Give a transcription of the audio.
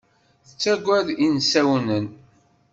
Tettaggad imsawnen.